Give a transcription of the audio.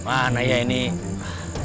sama aja ngeboka borok sendiri ini